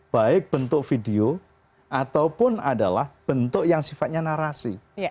baik bentuk video ataupun adalah bentuk yang sifatnya narasi